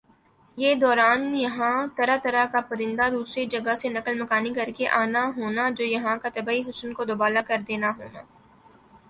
یِہ دوران یَہاں طرح طرح کا پرندہ دُوسْرا جگہ سے نقل مکانی کرکہ آنا ہونا جو یَہاں کا طبعی حسن کو دوبالا کرنا دینا ہونا